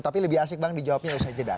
tapi lebih asik banget dijawabnya ustaz jeddah